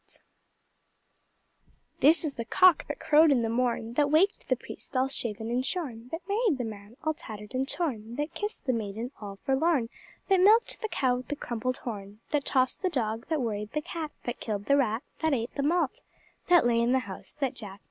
This is the Cock that crowed in the morn That waked the Priest all shaven and shorn, That married the Man all tattered and torn, That kissed the Maiden all forlorn, That milked the Cow with the crumpled horn, That tossed the Dog, That worried the Cat, That killed the Rat, That ate the Malt, That lay in the House that Jack built.